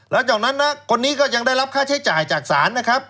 แล้วจากนั้นนะคนนี้ก็ยังได้รับค่าใช้จ่ายจากศาลนะครับ